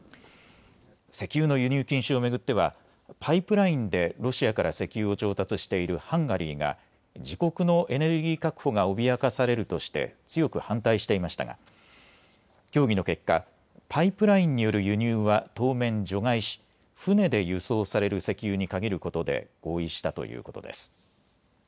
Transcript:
石油の輸入禁止を巡ってはパイプラインでロシアから石油を調達しているハンガリーが自国のエネルギー確保が脅かされるとして強く反対していましたが協議の結果、パイプラインによる輸入は当面、除外し船で輸送される石油に限ることで合意したということです。